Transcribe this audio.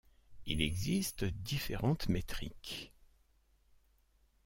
Il existe différentes métriques.